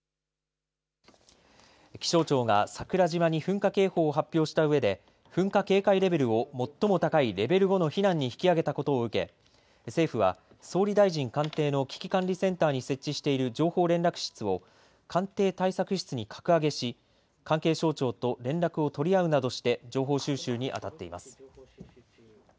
気象庁が桜島に噴火警報を発表したうえで噴火警戒レベルを最も高いレベル５の避難に引き上げたことを受け政府は総理大臣官邸の危機管理センターに設置している情報連絡室を官邸対策室に格上げし、関係省庁と連絡を取り合うなどして情報収集にあたっています。